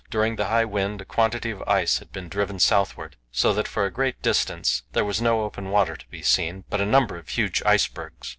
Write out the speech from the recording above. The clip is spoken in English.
During the high wind a quantity of ice had been driven southward, so that for a great distance there was no open water to be seen, but a number of huge icebergs.